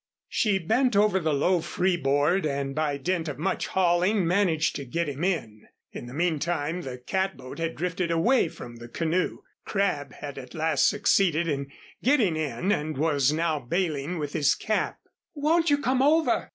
She bent over the low freeboard and by dint of much hauling managed to get him in. In the meantime, the catboat had drifted away from the canoe. Crabb had at last succeeded in getting in and was now bailing with his cap. "Won't you come over?"